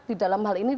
di dalam hal ini